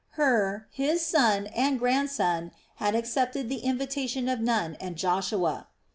Hur, his son, and grandson had accepted the invitation of Nun and Joshua.